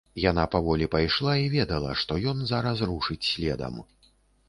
Яна паволі пайшла і ведала, што ён зараз рушыць следам.